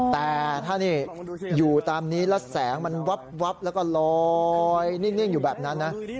แต่ถ้านี่อยู่ตามนี้แล้วแสงมันวับแล้วก็ลอยนิ่งอยู่แบบนั้นนะ